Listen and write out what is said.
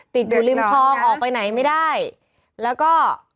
ติดบุลิ้มพลองออกไปไหนไม่ได้แล้วก็